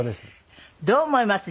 どう思います？